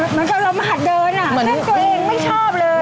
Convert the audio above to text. เหมือนกับลมหัดเดินอ่ะแค่ตัวเองไม่ชอบเลย